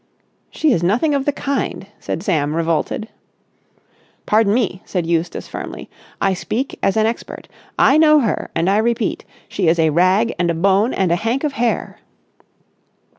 "She is nothing of the kind," said Sam, revolted. "Pardon me," said Eustace firmly, "I speak as an expert. I know her and I repeat, she is a rag and a bone and a hank of hair!"